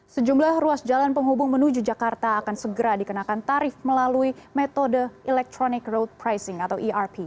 sejumlah ruas jalan penghubung menuju jakarta akan segera dikenakan tarif melalui metode electronic road pricing atau erp